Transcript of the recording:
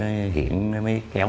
thấy hiển mới kheo